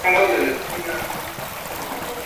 No obstante, ambos planes no se pudieron llevar a cabo.